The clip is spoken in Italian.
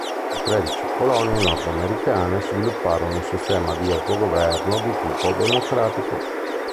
Le Tredici colonie nordamericane svilupparono un sistema di autogoverno di tipo democratico.